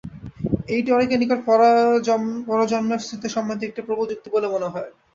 এইটি অনেকের নিকট পরজন্মের অস্তিত্ব সম্বন্ধে একটা প্রবল যুক্তি বলে মনে হয়।